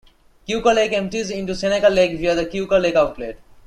Keuka Lake empties into Seneca Lake via the Keuka Lake Outlet.